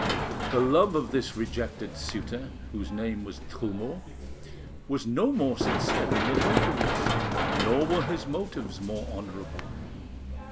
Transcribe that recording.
The love of this rejected suitor, whose name was Trumeau, was no more sincere than the notary's, nor were his motives more honourable.